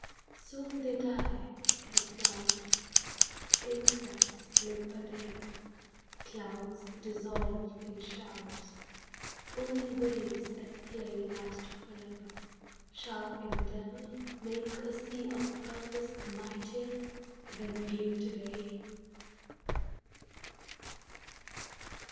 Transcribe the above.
Soon they die, the flowers; Insects live a day; Clouds dissolve in showers; Only waves at play Last forever. Shall endeavor Make a sea of purpose mightier than we dream to day?